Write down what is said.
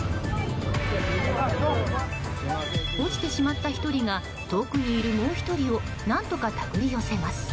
落ちてしまった１人が遠くにいるもう１人を何とか手繰り寄せます。